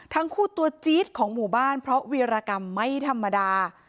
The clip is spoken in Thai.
ทั้งคู่ตัวจี๊ดของหมู่บ้านเพราะวีรกรรมไม่ธรรมดา